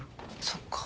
そっか。